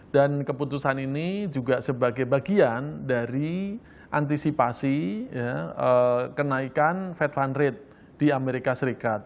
dan keputusan ini juga sebagai bagian dari antisipasi kenaikan fed fund rate di amerika serikat